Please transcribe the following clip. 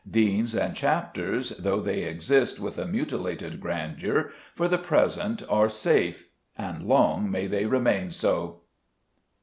Deans and chapters, though they exist with a mutilated grandeur, for the present are safe; and long may they remain so!